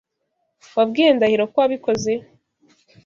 Wabwiye Ndahiro ko wabikoze?